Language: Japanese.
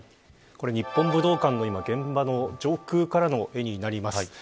日本武道館の、現場の上空からの映像になります。